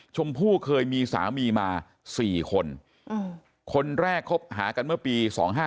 ชมพู่เคยมีสามีมา๔คนคนแรกคบหากันเมื่อปี๒๕๕๙